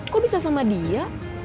kok bisa sama dia